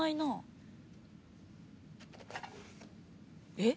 えっ？